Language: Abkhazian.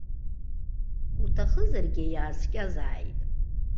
Уҭахызаргьы иааскьазааит.